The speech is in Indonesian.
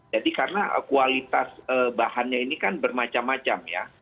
jadi karena kualitas bahannya ini kan bermacam macam ya